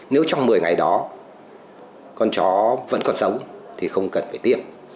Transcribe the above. nếu trong một mươi ngày đó con chó vẫn còn sống thì không cần phải tiêm